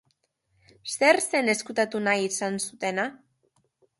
Zer zen ezkutatu nahi izan zutena?